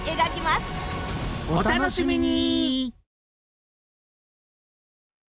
お楽しみに！